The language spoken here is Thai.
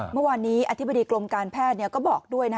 เมื่อวานนี้อธิบดีกรมการแพทย์ก็บอกด้วย